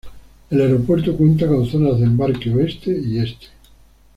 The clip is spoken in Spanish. El aeropuerto cuenta con zonas de embarque Oeste y Este.